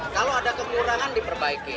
kalau ada kekurangan diperbaiki